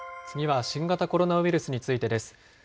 次は新型コロナウイルスについてです。